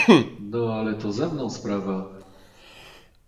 "No, ale to ze mną sprawa!..."